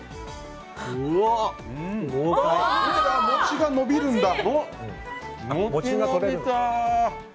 餅が伸びるんだ。